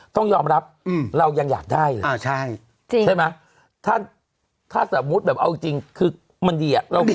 ต้องยอมรับเรายังอยากได้เลยใช่ไหมถ้าสมมุติแบบเอาจริงคือมันดีอ่ะ